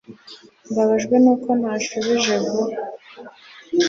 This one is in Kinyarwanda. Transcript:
Mbabajwe nuko ntashubije vuba